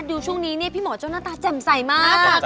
ช่วงนี้เนี่ยพี่หมอเจ้าหน้าตาแจ่มใสมาก